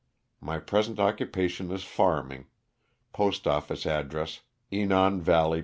My present occupation is farming, postoffico address Enon Valley, Pa.